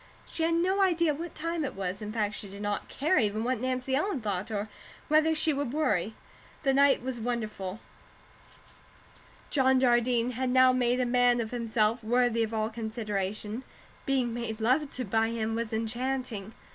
She had no idea what time it was; in fact, she did not care even what Nancy Ellen thought or whether she would worry. The night was wonderful; John Jardine had now made a man of himself worthy of all consideration; being made love to by him was enchanting.